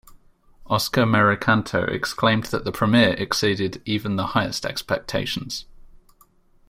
Oskar Merikanto exclaimed that the premiere exceeded even the highest expectations.